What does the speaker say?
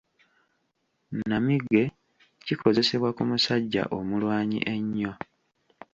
Nnamige kikozesebwa ku musajja omulwanyi ennyo.